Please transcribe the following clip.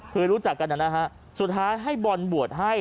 คือรู้จักกันนะฮะสุดท้ายให้บอลบวชให้